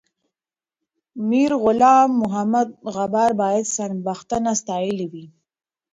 میرغلام محمد غبار باید سرښندنه ستایلې وای.